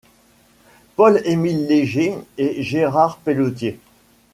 Paul-Émile Léger et Gérard Pelletier.